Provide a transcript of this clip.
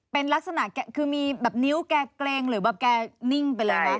เป็นลักษณะแกคือมีแบบนิ้วแกเกรงหรือแบบแกนิ่งไปเลยไหม